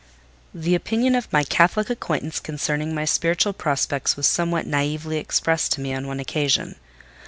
The opinion of my Catholic acquaintance concerning my spiritual prospects was somewhat naïvely expressed to me on one occasion.